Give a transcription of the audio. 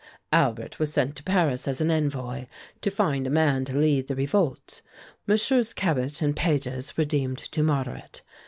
Albert was sent to Paris as an envoy, to find a man to lead the revolt. MM. Cabet and Pages were deemed too moderate.